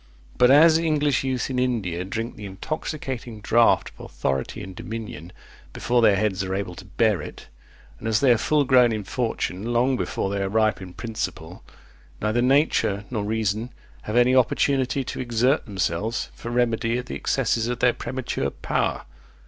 But as English youth in India drink the intoxicating draught of authority and dominion before their heads are able to bear it, and as they are full grown in fortune long before they are ripe in principle, neither nature nor reason have any opportunity to exert themselves for remedy of the excesses of their premature power.